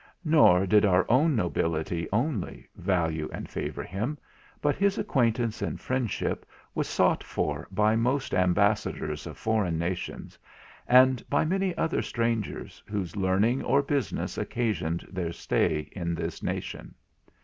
Nor did our own nobility only value and favour him, but his acquaintance and friendship was sought for by most Ambassadors of foreign nations, and by many other strangers whose learning or business occasioned their stay in this nation.